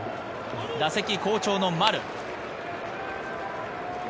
打席好調の丸。